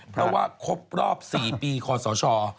เพราะว่าครบรอบ๔ปีคอสช